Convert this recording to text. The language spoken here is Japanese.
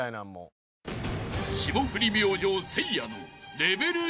［霜降り明星せいやの］